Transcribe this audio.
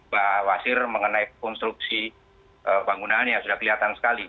pak wasir mengenai konstruksi bangunan yang sudah kelihatan sekali